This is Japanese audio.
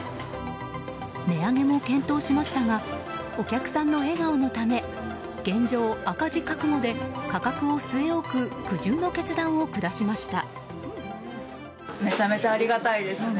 値上げも検討しましたがお客さんの笑顔のため現状、赤字覚悟で価格を据え置く苦渋の決断を下しました。